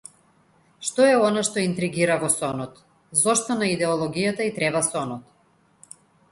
Што е она што интригира во сонот, зошто на идеологијата и треба сонот?